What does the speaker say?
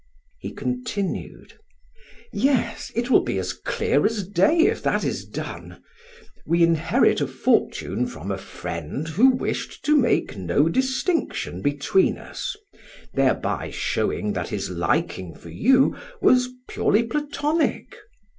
He continued: "Yes, it will be as clear as day if that is done. We inherit a fortune from a friend who wished to make no distinction between us, thereby showing that his liking for you was purely Platonic.